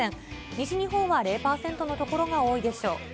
西日本は０％の所が多いでしょう。